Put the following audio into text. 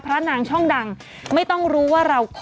ก่อนที่สุดท้าย